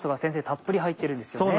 たっぷり入ってるんですよね。